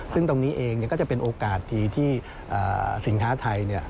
ซึ่งตรงนี้เองก็จะเป็นโอกาสดีที่สินค้าไทย